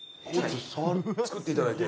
作っていただいて。